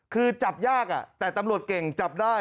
คือจับยากแต่ตำรวจเก่งจับได้